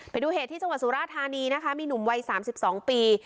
ไปดูเหตุที่จังหวัดสุราธานีนะคะมีหนุ่มวัย๓๒ปี